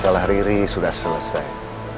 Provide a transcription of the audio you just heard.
masalah riri sudah selesai